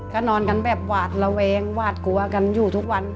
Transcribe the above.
ก็นอนกันแบบหวาดระแวงหวาดกลัวกันอยู่ทุกวัน